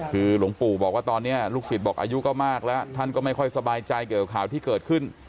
คือหลวงปู่บอกว่าตอนนี้ลูกศิษย์บอกอายุก็มากแล้วท่านก็ไม่ค่อยสบายใจเกี่ยวกับข่าวที่เกิดขึ้น